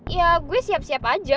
ya gue siap siap aja